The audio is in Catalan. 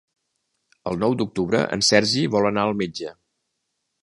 El nou d'octubre en Sergi vol anar al metge.